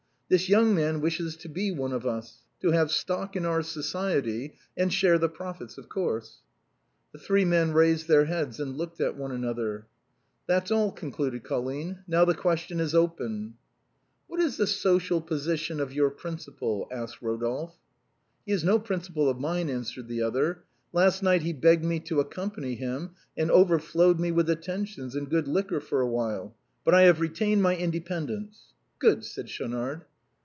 " This young man wishes to be one of us ; to have stock in our society, and share the profits, of course." The three men raised their heads and looked at one another. " That's all," concluded Colline ;" now the question is open." 138 THE BOHEMIANS OF THE LATIN QUARTEB. " What is the social position of your principal ?" asked Eodolphe. " He is no principal of mine," answered the other ;" last night he begged me to accompany him, and overflowed me with attentions and good liquor for a while ; but I have retained my independence." " Good," said Schaunard.